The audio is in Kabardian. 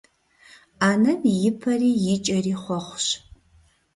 Ӏэнэм и пэри и кӀэри хъуэхъущ.